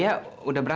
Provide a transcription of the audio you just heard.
ayah kok gak ada ya